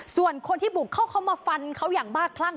ส่วนคนที่บุกเข้าเขามาฟันเขาอย่างบ้าคลั่ง